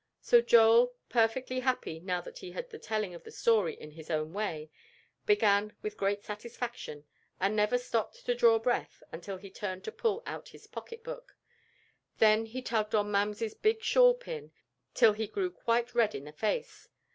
So Joel, perfectly happy now that he had the telling of the story in his own way, began with great satisfaction, and never stopped to draw breath until he turned to pull out his pocket book. Then he tugged at Mamsie's big shawl pin till he grew quite red in the face.